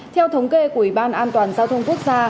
theo thống kê của ủy ban an toàn giao thông quốc gia